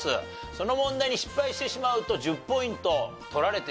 その問題に失敗してしまうと１０ポイント取られてしまう。